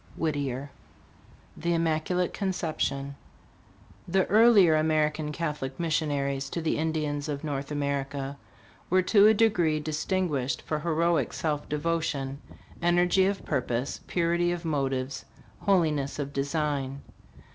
Whittier. THE IMMACULATE CONCEPTION. THE earlier American Catholic missionaries to the Indians of North America were to a degree distinguished for " heroic self devotion, ener gy of purpose, purity of motive, holiness of design."